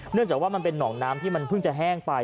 จากว่ามันเป็นหนองน้ำที่มันเพิ่งจะแห้งไป